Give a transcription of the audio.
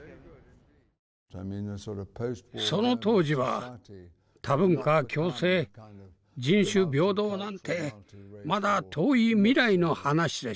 その当時は多文化共生人種平等なんてまだ遠い未来の話でした。